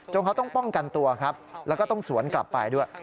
เขาต้องป้องกันตัวครับแล้วก็ต้องสวนกลับไปด้วย